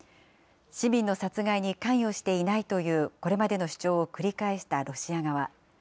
市民の殺害に関与していないというこれまでの主張を繰り返したロシア側。